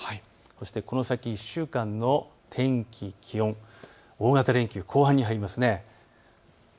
そしてこの先１週間の天気、気温、大型連休後半に入りますね。